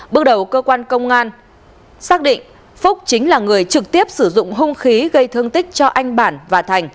bước đầu cơ quan công an xác định phúc chính là người trực tiếp sử dụng hung khí gây thương tích cho anh bản và thành